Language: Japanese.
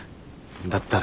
だったら。